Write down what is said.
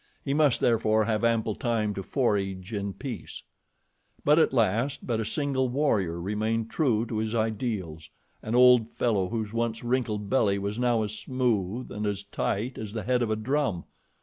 He must therefore have ample time to forage in peace. At last but a single warrior remained true to his ideals an old fellow whose once wrinkled belly was now as smooth and as tight as the head of a drum.